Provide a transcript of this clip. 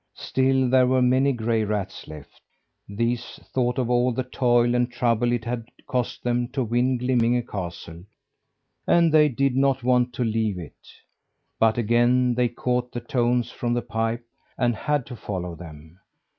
Still there were many gray rats left. These thought of all the toil and trouble it had cost them to win Glimminge castle, and they did not want to leave it. But again they caught the tones from the pipe, and had to follow them.